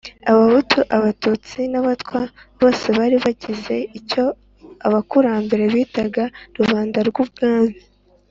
Abahutu, Abatutsi n'Abatwa. Bosebari bagize icyo abakurambere bitaga "Rubanda rw'umwami".